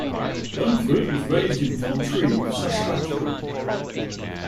Dunford was raised in Portreeve, Saskatchewan.